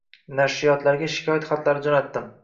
Nashriyotlarga shikoyat xatlari jo’natdim.